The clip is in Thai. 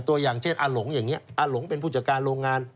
ตัวอย่างเช่นอาหลงอย่างนี้อาหลงเป็นผู้จัดการโรงงาน